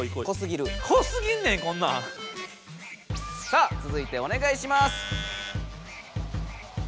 さあつづいておねがいします。